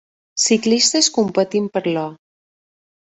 Ciclistes competint per l'or.